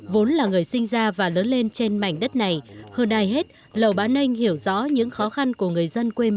vốn là người sinh ra và lớn lên trên mảnh đất này hơn ai hết lầu bá anh hiểu rõ những khó khăn của người dân quê hương